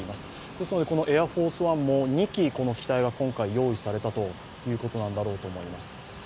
ですので、エアフォースワンも２機、今回機体は用意されたということなんだろうと思います。